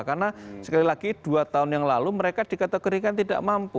karena sekali lagi dua tahun yang lalu mereka dikategorikan tidak mampu